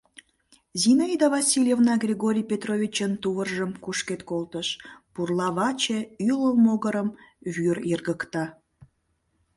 Зинаида Васильевна Григорий Петровичын тувыржым кушкед колтыш: пурла ваче ӱлыл могырым вӱр йыргыкта.